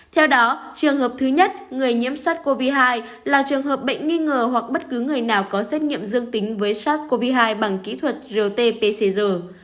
theo đó trường hợp thứ nhất người nhiễm sars cov hai là trường hợp bệnh nghi ngờ hoặc bất cứ người nào có xét nghiệm dương tính với sars cov hai bằng kỹ thuật rt pcr